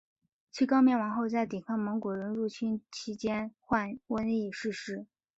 其高棉王后在抵抗蒙古人入侵期间患瘟疫逝世。